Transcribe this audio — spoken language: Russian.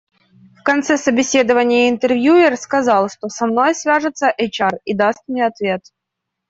В конце собеседования интервьюер сказал, что со мной свяжется HR и даст мне ответ.